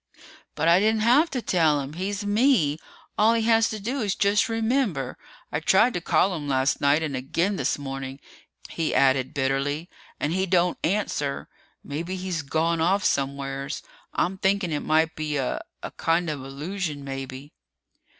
"But I didn't have to tell him! He's me! All he has to do is just remember! I tried to call him last night and again this morning," he added bitterly, "and he don't answer. Maybe he's gone off somewheres. I'm thinking it might be a a kind of illusion, maybe."